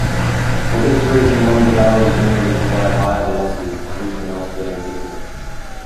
For this reason longer barrels generally provide higher velocities, everything else being equal.